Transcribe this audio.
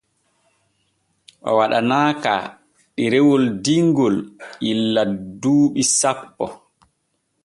O waɗanaaka ɗerewol dimgil illa duuɓi sappo.